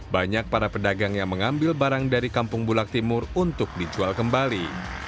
banyak para pedagang yang mengambil barang dari kampung bulak timur untuk dijual kembali